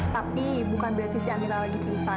tapi bukan berarti si amira lagi kingsan